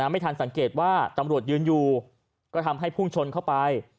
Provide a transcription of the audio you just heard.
ไม่ทันสังเกตว่าตำรวจยืนอยู่ก็ทำให้พุ่งชนเข้าไป